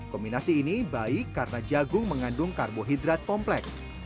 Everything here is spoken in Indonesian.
kombinasi ini baik karena jagung mengandung karbohidrat kompleks